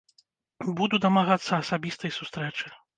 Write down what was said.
Буду дамагацца асабістай сустрэчы.